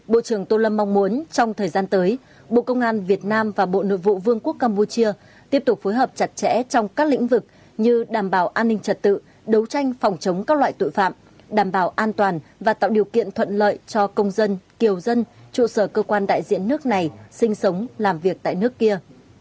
bộ trưởng tô lâm mong muốn trong thời gian tới bộ công an việt nam và bộ nội vụ vương quốc campuchia tiếp tục phối hợp chặt chẽ trong các lĩnh vực như đảm bảo an ninh trật tự đấu tranh phòng chống các loại tội phạm đảm bảo an toàn và tạo điều kiện thuận lợi cho công dân kiều dân trụ sở cơ quan đại diện nước này sinh sống làm việc tại nước kia